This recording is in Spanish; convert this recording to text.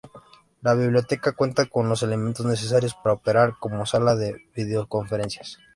La biblioteca cuenta con los elementos necesarios para operar como sala de videoconferencias.